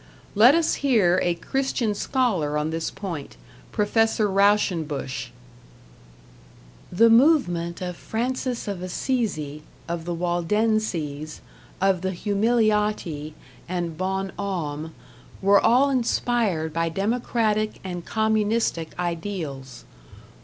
Let us hear a Christian scholar on this point, Prof. Rauschenbusch: The movement of Francis of Assisi, of the Waldenses, of the Humiliati and Bons Hommes, were all inspired by democratic and communistic ideals.